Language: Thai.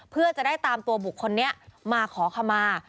เพื่อจะได้ตามตัวบุคคลนี้มาขอขมา